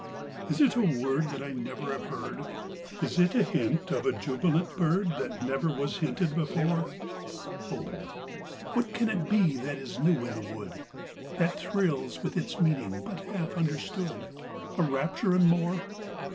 Is it a word that I never have heard ? Is it a hint of a jubilant bird 28 THE PRELUDE. 2 9 That never was hinted before ? Oh ! what can it be that is new in the wood; That thrills with its meaning, but half understood, A rapture and more